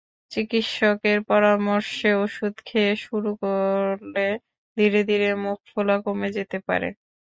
চিকিত্সকের পরামর্শে ওষুধ খেতে শুরু করলে ধীরে ধীরে মুখ ফোলা কমে যেতে পারে।